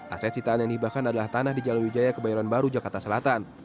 aset sitaan yang dihibahkan adalah tanah di jalan wijaya kebayoran baru jakarta selatan